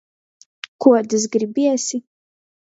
Kuodys gribiesi?